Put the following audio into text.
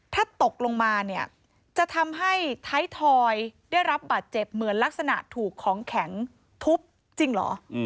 ถ้าตกลงมาเนี่ยจะทำให้ท้ายทอยได้รับบาดเจ็บเหมือนลักษณะถูกของแข็งทุบจริงเหรอ